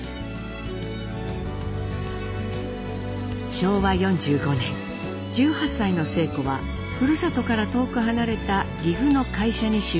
昭和４５年１８歳の晴子はふるさとから遠く離れた岐阜の会社に就職。